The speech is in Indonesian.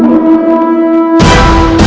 aku akan menang